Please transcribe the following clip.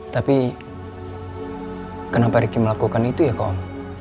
tapi kenapa ricky melakukan itu ya kok om